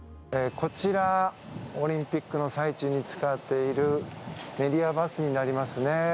こちらオリンピックの最中に使っているメディアバスになりますね。